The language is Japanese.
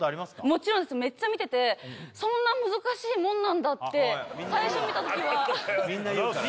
もちろんですめっちゃ見ててそんな難しいもんなんだって最初見た時はみんな言うからね